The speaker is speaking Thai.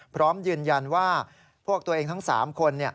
พร้อมยืนยันว่าพวกตัวเองทั้ง๓คน